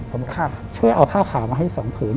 ผมช่วยเอาผ้าขาวมาให้๒ผืน